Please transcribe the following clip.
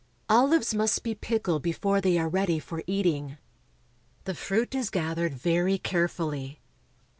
Olives must be pickled before they are ready for eating. The fruit is gathered very carefully.